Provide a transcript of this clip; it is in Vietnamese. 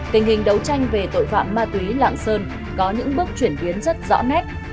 tỉnh đấu tranh về tội phạm ma túy lạng sơn có những bước chuyển tuyến rất rõ nét